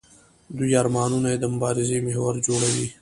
دوی ارمانونه یې د مبارزې محور جوړوي.